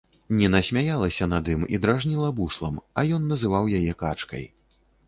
Ніна смяялася над ім і дражніла буслам, а ён называў яе качкай.